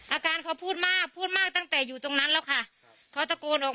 อาการเขาพูดมากพูดมากตั้งแต่อยู่ตรงนั้นแล้วค่ะ